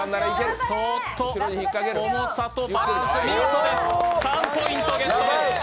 そーっと重さとバランス、見事です３ポイントゲットです。